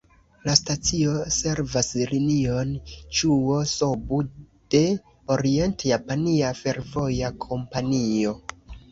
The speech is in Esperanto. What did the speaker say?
La stacio servas Linion Ĉuo-Sobu de Orient-Japania Fervoja Kompanio.